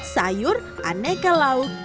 sayur aneka laut